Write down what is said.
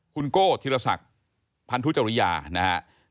คุณโก้ธิรศักดิ์พันธุจริยานะครับ